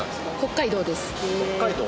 北海道？